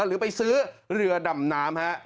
หรือไปซื้อเรือดำน้ำฮะ